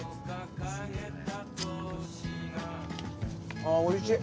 あおいしい！